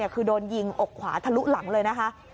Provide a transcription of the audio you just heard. คือโดนยิงอกขวาทะลุหลังเลยนะคะ